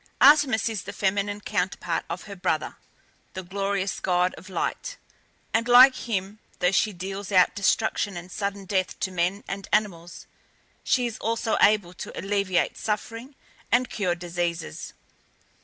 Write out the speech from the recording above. Artemis is the feminine counterpart of her brother, the glorious god of Light, and, like him, though she deals out destruction and sudden death to men and animals, she is also able to alleviate suffering and cure diseases.